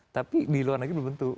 tapi di luar negeri belum tentu